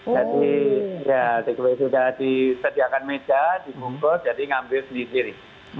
jadi ya take away itu sudah disediakan meja dibungkus jadi ngambil sendiri sendiri